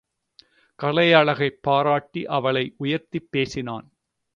கலை அழகைப் பாராட்டி அவளை உயர்த்திப் பேசினான்.